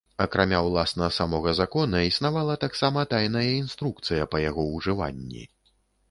Акрамя ўласна самога закона існавала таксама тайная інструкцыя па яго ўжыванні.